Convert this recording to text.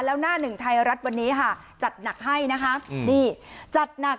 แล้วหน้าหนึ่งไทยรัฐวันนี้จัดหนักให้นะคะดี